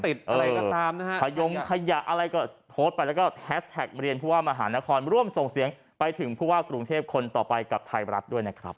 อะไรก็ตามนะฮะขยงขยะอะไรก็โพสต์ไปแล้วก็แฮสแท็กเรียนผู้ว่ามหานครร่วมส่งเสียงไปถึงผู้ว่ากรุงเทพคนต่อไปกับไทยรัฐด้วยนะครับ